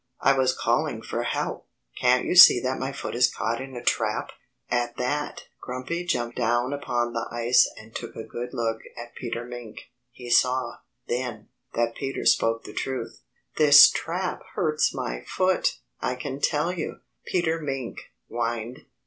"I was calling for help. Can't you see that my foot is caught in a trap?" At that Grumpy jumped down upon the ice and took a good look at Peter Mink. He saw, then, that Peter spoke the truth. "This trap hurts my foot, I can tell you," Peter Mink whined.